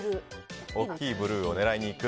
大きいブルーを狙いに行く。